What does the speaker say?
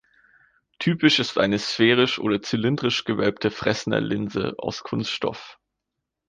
Typisch ist eine sphärisch oder zylindrisch gewölbte Fresnel-Linse aus Kunststoff.